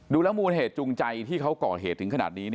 ดูแล้วมูลเหตุจูงใจที่เขาก่อเหตุถึงขนาดนี้